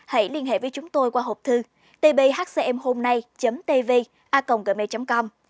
hãy liên hệ với chúng tôi qua hộp thư tbhcmhômnay tvacomgmail com